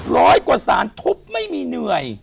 ร้อยกว่าสารทุบไม่มีเหนื่อย